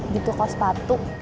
di toko sepatu